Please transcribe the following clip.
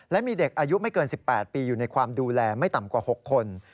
และมีเด็กอายุไม่เกิน๑๘ปีอยู่ในความดูแลไม่ต่ำกว่า๖คน